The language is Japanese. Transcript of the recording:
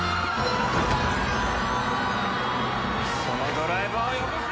そのドライバーをよこせ！